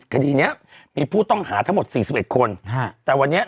คดีพิเศษกราบว่า